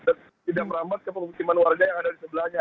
dan tidak merambat ke pemukiman warga yang ada di sebelahnya